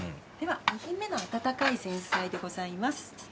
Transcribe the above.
では２品目の温かい前菜でございます。